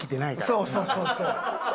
「そうそうそうそう」